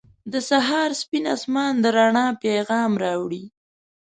• د سهار سپین آسمان د رڼا پیغام راوړي.